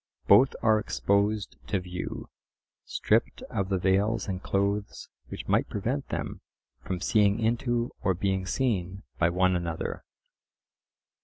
Both are exposed to view, stripped of the veils and clothes which might prevent them from seeing into or being seen by one another.